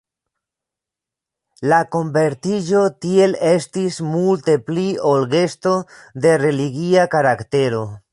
La konvertiĝo tiel estis multe pli ol gesto de religia karaktero.